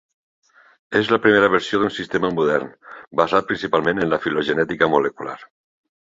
És la primera versió d'un sistema modern basat principalment en la filogenètica molecular.